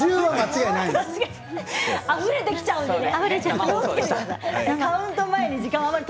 あふれてきちゃうのでね。